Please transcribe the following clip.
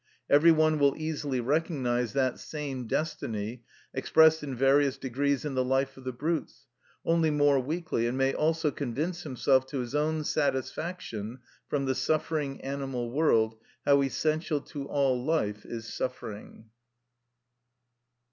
Every one will easily recognise that same destiny expressed in various degrees in the life of the brutes, only more weakly, and may also convince himself to his own satisfaction, from the suffering animal world, how essential to all life is suffering.